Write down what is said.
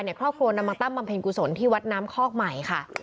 ครอบครัวนำมาตั้งบำเพ็ญกุศลที่วัดน้ำคอกใหม่ค่ะ